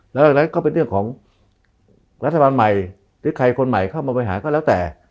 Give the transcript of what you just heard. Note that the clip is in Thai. หลังจากนั้นก็เป็นเรื่องของรัฐบาลใหม่หรือใครคนใหม่เข้ามาบริหารก็แล้วแต่